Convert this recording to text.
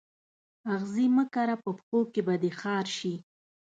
آغزي مه کره په پښو کي به دي خار سي